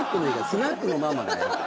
スナックのママだね。